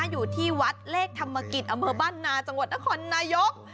รวดอยู่ที่วัดเลภธรรมกิจอเมอร์บ้านหนาจังหวัดทขณะนายุค